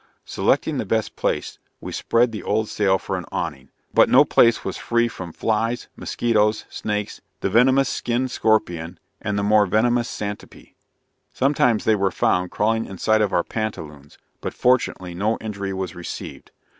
Selecting the best place, we spread the old sail for an awning; but no place was free from flies, moschetoes, snakes, the venomous skinned scorpion, and the more venomous santipee. Sometimes they were found crawling inside of our pantaloons, but fortunately no injury was received.